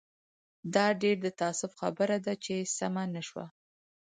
دا ډېر د تاسف خبره ده چې سمه نه شوه.